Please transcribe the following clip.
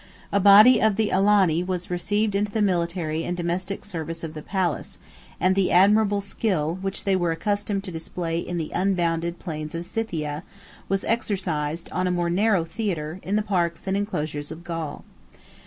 A body of the Alani was received into the military and domestic service of the palace; and the admirable skill, which they were accustomed to display in the unbounded plains of Scythia, was exercised, on a more narrow theatre, in the parks and enclosures of Gaul.